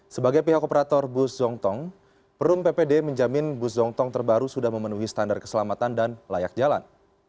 sebagai pihak operator bus zongtong perum ppd menjamin bus zongtong terbaru sudah memenuhi standar keselamatan dan layak jalan